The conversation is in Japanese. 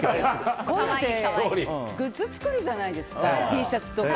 グッズ作るじゃないですかＴシャツとか。